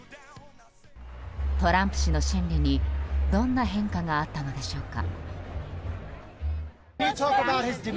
トランプ氏の心理に、どんな変化があったのでしょうか。